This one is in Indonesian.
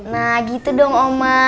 nah gitu dong oma